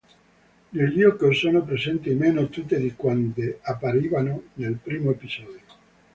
Nel gioco sono presenti meno tute di quante apparivano nel primo episodio.